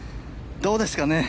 どうですかね。